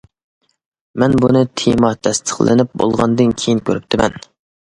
مەن بۇنى تېما تەستىقلىنىپ بولغاندىن كېيىن كۆرۈپتىمەن.